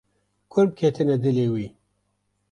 Kurm ketine dilê wê.